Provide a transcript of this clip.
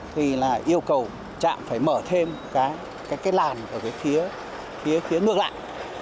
thì là yêu cầu trạm phải mở thêm cái làn ở cái phía ngược lại